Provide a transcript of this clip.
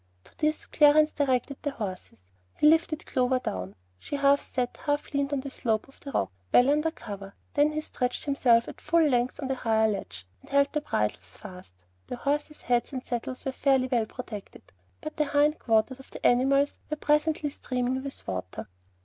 To this Clarence directed the horses. He lifted Clover down. She half sat, half leaned on the slope of the rock, well under cover, while he stretched himself at full length on a higher ledge, and held the bridles fast. The horses' heads and the saddles were fairly well protected, but the hindquarters of the animals were presently streaming with water.